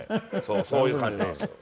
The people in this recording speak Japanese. そういう感じなんですよ。